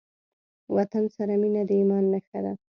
وطن سره مينه د ايمان نښه ده.